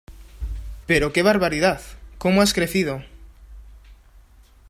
¡Pero que barbaridad, como has crecido!